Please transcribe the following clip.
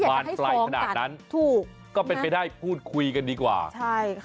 มานไกลขนาดนั้นถูกก็เป็นไปได้พูดคุยกันดีกว่าใช่ค่ะ